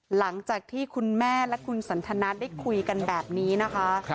หลังจากที่คุณแม่และคุณสันทนาได้คุยกันแบบนี้นะคะ